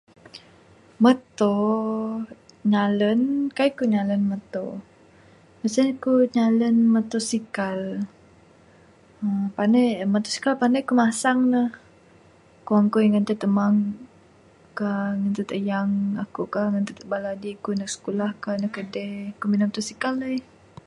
Muto, nyalan, kai ku nyalan muto. Mung sien ku nyalan mutosikal, emm..pandai, motosikal pandai kuk masang ne. Kuang kuit ngantud amang ka, ngantud tayang akuk ka, ngantud bala adik kuk ndug sikulah ka, ndug kadei. Kuk minan motosikal akuk gaeh.